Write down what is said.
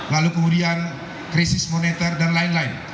lalu kemudian krisis moneter dan lain lain